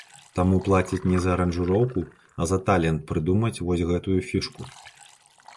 Таму плацяць не за аранжыроўку, а за талент прыдумаць вось гэтую фішку.